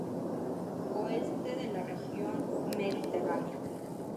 Oeste de la región mediterránea.